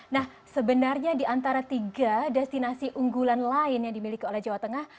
nah sebenarnya di antara tiga destinasi unggulan lain yang dimiliki oleh jawa tengah